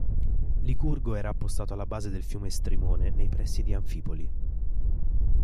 Licurgo era appostato alla base del fiume Strimone nei pressi di Anfipoli.